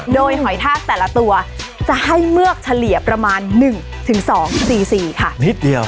โดยหอยทากแต่ละตัวจะให้เมือกเฉลี่ยประมาณ๑๒๔๔ค่ะนิดเดียว